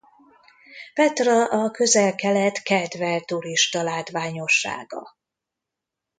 Petra a Közel-Kelet kedvelt turistalátványossága.